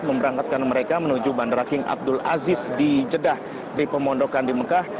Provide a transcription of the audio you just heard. memberangkatkan mereka menuju bandara king abdul aziz di jeddah di pemondokan di mekah